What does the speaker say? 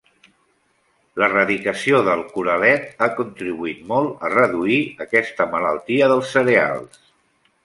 L'erradicació del coralet ha contribuït molt a reduir aquesta malaltia dels cereals.